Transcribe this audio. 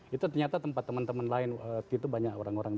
itu ternyata tempat teman teman lain waktu itu banyak orang orang